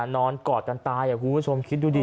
กอดกันตายคุณผู้ชมคิดดูดิ